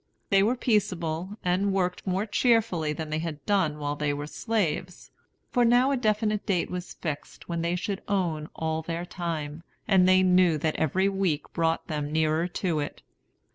They were peaceable, and worked more cheerfully than they had done while they were slaves; for now a definite date was fixed when they should own all their time, and they knew that every week brought them nearer to it.